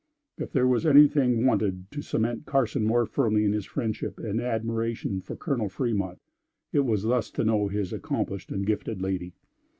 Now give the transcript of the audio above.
If there was anything wanted to cement Carson more firmly in his friendship and admiration for Colonel Fremont, it was thus to know his accomplished and gifted lady.